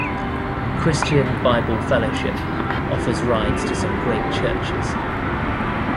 Christian Bible Fellowship offers rides to some great churches.